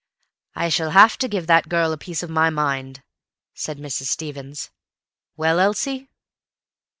"I shall have to give that girl a piece of my mind," said Mrs. Stevens. "Well, Elsie?"